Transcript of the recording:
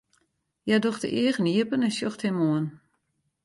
Hja docht de eagen iepen en sjocht him oan.